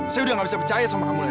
saya udah gak bisa percaya sama kamu ya